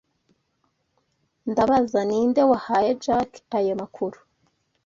Ndabaza ninde wahaye Jack ayo makuru.